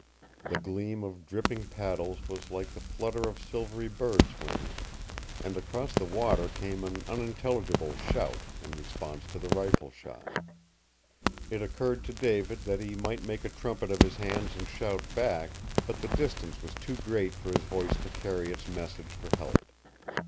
The gleam of dripping paddles was like the flutter of silvery birds' wings, and across the water came an unintelligible shout in response to the rifle shot. It occurred to David that he might make a trumpet of his hands and shout back, but the distance was too great for his voice to carry its message for help.